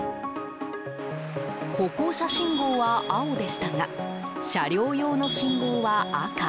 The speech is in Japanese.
歩行者信号は青でしたが車両用の信号は赤。